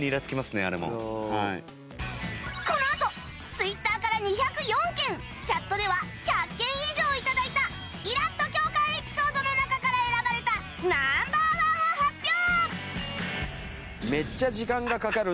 このあとツイッターから２０４件チャットでは１００件以上頂いたイラッと共感エピソードの中から選ばれた Ｎｏ．１ を発表！